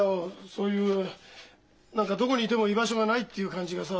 そういう何かどこにいても居場所がないっていう感じがさ。